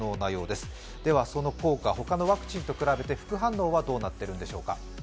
ではその効果、他のワクチンと比べて副反応はどうなっているのでしょうか？